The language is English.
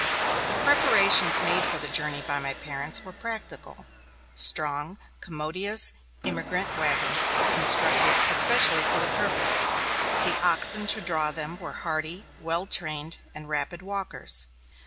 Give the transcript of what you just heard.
The preparations made for the journey by my parents were practical. Strong, commodious emigrant wagons were constructed especially for the purpose. The oxen to draw them were hardy, well trained, and rapid walkers.